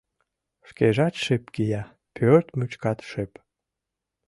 Шкежат шып кия, пӧрт мучкат шып.